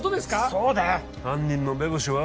そうだよ犯人の目星は？